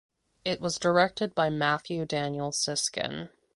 It was directed by Matthew Daniel Siskin.